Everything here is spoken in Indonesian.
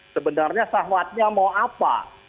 sebenarnya syahwatnya mau apa